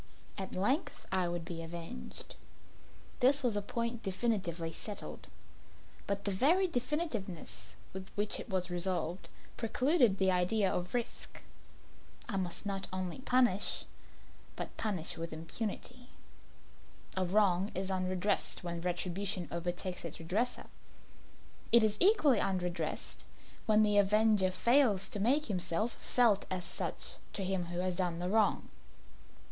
At length I would be avenged; this was a point definitely settled but the very definitiveness with which it was resolved, precluded the idea of risk. I must not only punish, but punish with impunity. A wrong is unredressed when retribution overtakes its redresser. It is equally unredressed when the avenger fails to make himself felt as such to him who has done the wrong.